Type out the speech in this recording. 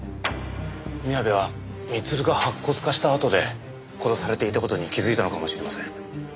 宮部は光留が白骨化したあとで殺されていた事に気づいたのかもしれません。